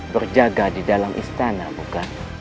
berjaga di dalam istana bukan